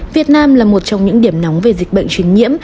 việt nam là một trong những điểm nóng về dịch bệnh truyền nhiễm